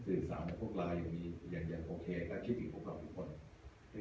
คือสำคัญว่าพวกเราอยู่นี่อย่างโอเคก็คิดถึงพวกเราจริง